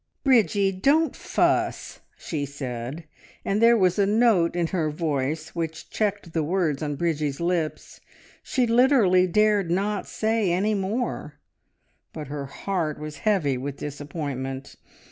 "Bridgie, don't fuss!" she said, and there was a note in her voice which checked the words on Bridgie's lips. She literally dared not say any more, but her heart was heavy with disappointment.